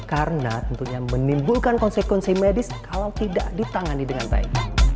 karena tentunya menimbulkan konsekuensi medis kalau tidak ditangani dengan baik